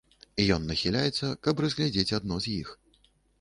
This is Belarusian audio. Ён нахіляецца, каб разгледзець адно з іх.